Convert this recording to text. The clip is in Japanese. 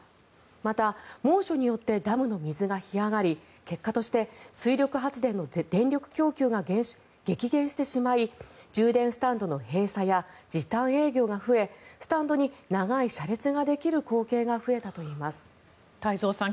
また猛暑によってダムの水が干上がり結果として水力発電の電力供給が激減してしまい充電スタンドの閉鎖や時短営業が増えスタンドに長い車列ができる光景が太蔵さん